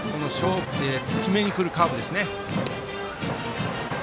決めに来るカーブですね。